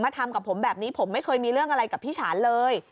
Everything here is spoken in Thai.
เอากลับไปมาไปสนร